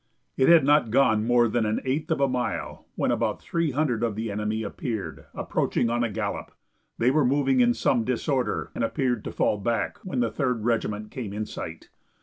It had not gone more than an eighth of a mile when about three hundred of the enemy appeared approaching on a gallop. They were moving in some disorder, and appeared to fall back when the Third Regiment came in sight.